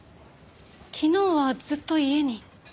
昨日はずっと家に。